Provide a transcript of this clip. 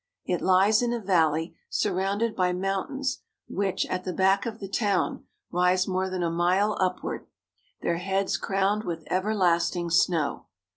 It lies in a valley, surrounded by mountains which, at the back of the town, rise more than a mile upward, their heads crowned with everlasting snow.